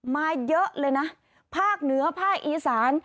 มาเยอะเลยนะภาคเหนือภาคอีสาน